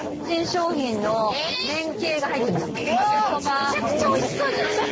めちゃくちゃおいしそうじゃないですか。